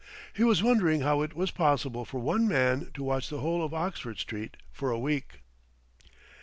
He was wondering how it was possible for one man to watch the whole of Oxford Street for a week.